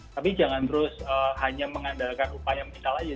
tapi jangan terus hanya mengandalkan upaya menikal aja